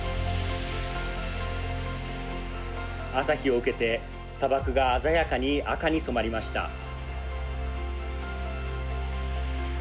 朝日を受けて砂漠が鮮やかに赤に染まりました。